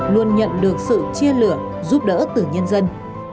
luôn nhận được sự chia lửa giúp đỡ từ nhân dân